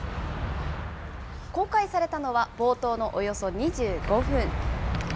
公開されたのは、冒頭のおよそ２５分。